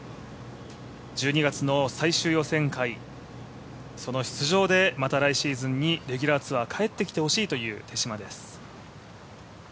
１２月の最終予選会、その出場でまた来シーズンにレギュラーツアー帰ってきてほしいという手嶋です。